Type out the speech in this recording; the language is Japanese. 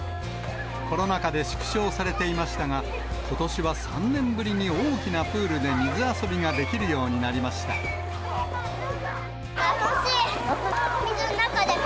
コロナ禍で縮小されていましたが、ことしは３年ぶりに大きなプールで水遊びができるようになりまし楽しい。